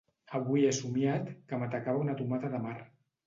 Avui he somiat que m'atacava una tomata de mar.